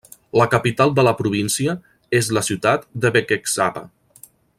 La capital de la província és la ciutat de Békéscsaba.